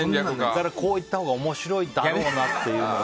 こう言ったほうが面白いだろうなっていうのを。